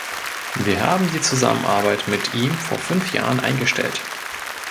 Wir haben die Zusammenarbeit mit ihm vor fünf Jahren eingestellt.